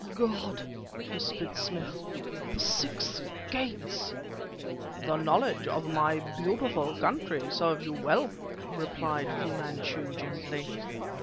"God!" whispered Smith "the Six Gates!" "The knowledge of my beautiful country serves you well," replied Fu Manchu gently.